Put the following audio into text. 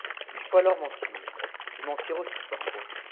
Il faut alors mentir, se mentir aussi parfois.